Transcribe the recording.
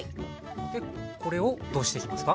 でこれをどうしていきますか？